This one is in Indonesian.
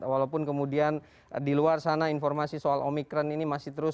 walaupun kemudian di luar sana informasi soal omikron ini masih terus